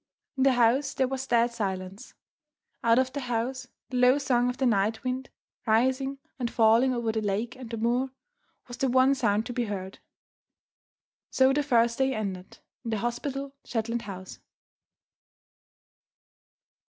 In the house there was dead silence. Out of the house, the low song of the night wind, rising and falling over the lake and the moor, was the one sound to be heard. So the first day ended in the hospitable Shetland house.